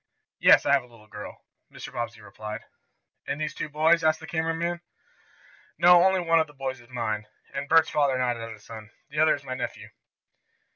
"Yes, I have a little girl," Mr. Bobbsey replied. "And these two boys?" asked the camera man. "No, only one of the boys is mine," and Bert's father nodded at his son. "The other is my nephew."